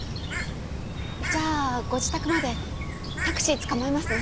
じゃあご自宅までタクシーつかまえますね。